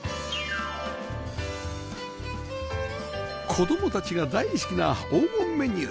子供たちが大好きな黄金メニュー